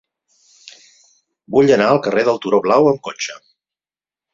Vull anar al carrer del Turó Blau amb cotxe.